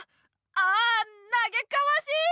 ああなげかわしい！